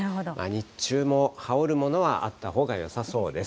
日中も羽織るものはあったほうがよさそうです。